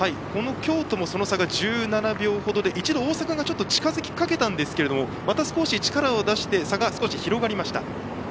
京都も、その差が１７秒ほどで一度、大阪が近づきかけたんですがまた少し力を出して差が少し広がりました。